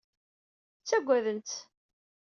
Ttagaden-tt.